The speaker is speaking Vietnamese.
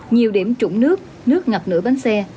nhiều điểm trụng nước nước ngập nửa bánh xe